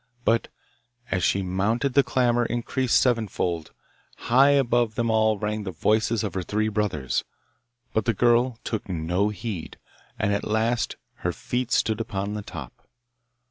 But as she mounted the clamour increased sevenfold: high above them all rang the voices of her three brothers. But the girl took no heed, and at last her feet stood upon the top.